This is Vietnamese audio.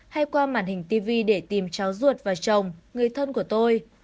hay qua màn hình tv để tìm cháu ruột và chồng người thân của tôi